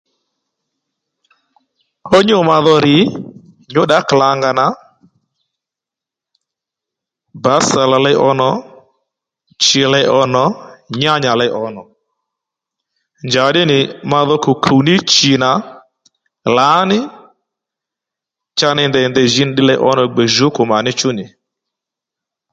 Fú nyû madho rr̀ nyǔddǎ klàngà nà bǎsàlà ley ǒnò chì ley ǒnò nyǎnyǎ ley ò nò njàddí nì madho kùw kùw ní chì nà lǎní cha ney ndèy nì ndèy ji nì ddiy ley ò nò gbè djǔkù mà ní chú nì